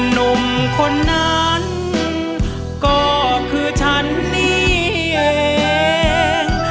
หนุ่มคนนั้นก็คือฉันนี่เอง